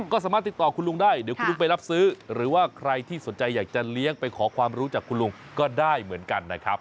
ก็สามารถติดต่อคุณลุงได้เดี๋ยวคุณลุงไปรับซื้อหรือว่าใครที่สนใจอยากจะเลี้ยงไปขอความรู้จากคุณลุงก็ได้เหมือนกันนะครับ